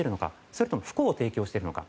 それとも不幸を提供しているのか。